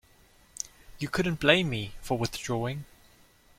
You couldn't blame me for withdrawing.